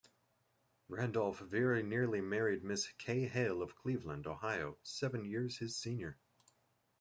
Randolph very nearly married Miss Kay Halle of Cleveland, Ohio, seven years his senior.